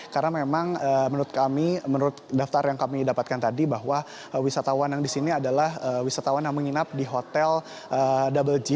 karena memang menurut kami menurut daftar yang kami dapatkan tadi bahwa wisatawan yang di sini adalah wisatawan yang menginap di hotel double g